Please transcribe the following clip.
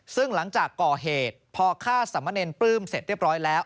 ซึ่งหลังจากก่อเหตุพอฆ่าสามเณรปลื้มเสร็จเรียบร้อยแล้ว